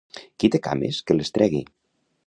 Qui té cames que les tregui.